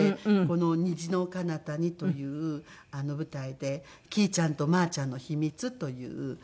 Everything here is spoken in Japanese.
この『虹の彼方に』という舞台で『きぃちゃんとまぁちゃんの秘密』という舞台を。